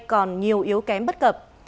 còn nhiều yếu kém bất cập